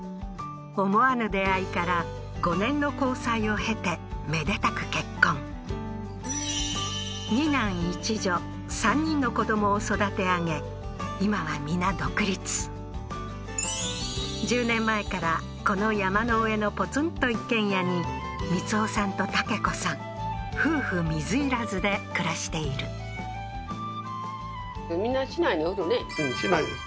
思わぬ出会いから５年の交際を経てめでたく結婚二男一女３人の子どもを育てあげ今は皆独立１０年前からこの山の上のポツンと一軒家に光夫さんとたけ子さん夫婦水入らずで暮らしているみんな市内に居るねうん市内です